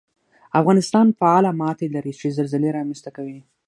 افغانستان فعاله ماتې لري چې زلزلې رامنځته کوي